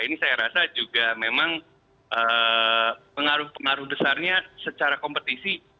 ini saya rasa juga memang pengaruh pengaruh besarnya secara kompetisi